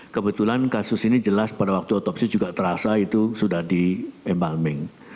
kebetulan kasus ini jelas pada waktu otopsi juga terasa itu sudah di embalming